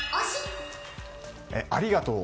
ありがとう。